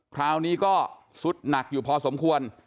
คราวนี้ก็สุดหนักอยู่พอสมควร